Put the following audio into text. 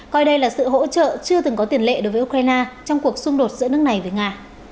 coi đây là sự hỗ trợ chưa từng có tiền lệ đối với ukraine trong cuộc xung đột giữa nước này với nga